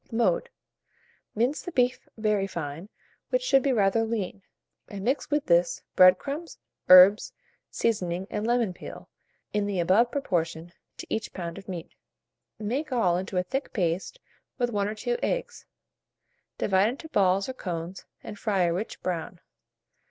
Mode. Mince the beef very fine, which should be rather lean, and mix with this bread crumbs, herbs, seasoning, and lemon peel, in the above proportion, to each pound of meat. Make all into a thick paste with 1 or 2 eggs; divide into balls or cones, and fry a rich brown.